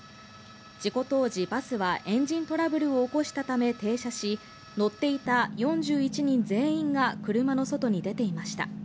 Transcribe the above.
事故当時バスはエンジントラブルを起こしたため停車し、乗っていた４１人全員が車の外に出ていました。